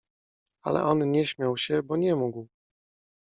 Ale on nie śmiał się, bo nie mógł.